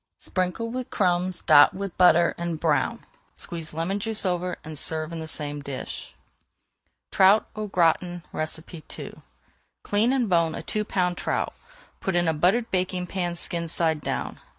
Sprinkle with crumbs, dot with butter, and brown. Squeeze lemon juice over and serve in the same dish. TROUT AU GRATIN II Clean and bone a two pound trout. Put in a buttered baking pan, skin side down.